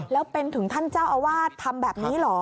แล้วเป็นถึงท่านเจ้าอาวาสทำแบบนี้เหรอ